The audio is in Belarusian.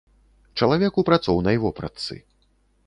Чалавек у працоўнай вопратцы.